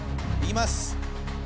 言います！